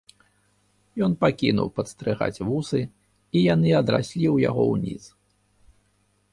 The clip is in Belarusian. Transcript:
Ён пакінуў падстрыгаць вусы, і яны адраслі ў яго ўніз.